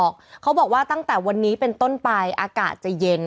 เขาบอกว่าตั้งแต่วันนี้เป็นต้นไปอากาศจะเย็น